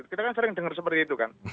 kita kan sering dengar seperti itu kan